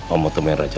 om mau temen raja